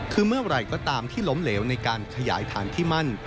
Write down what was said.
คือเมื่อไหร่ก็ตามที่ล้มเหลวในการขยายฐานที่มั่น